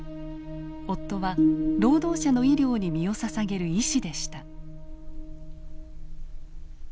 夫は労働者の医療に身をささげる医師でした。